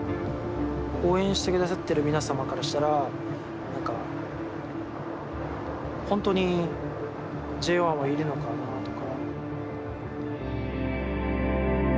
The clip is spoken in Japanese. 応援してくださってる皆様からしたら何か本当にＪＯ１はいるのかなとか。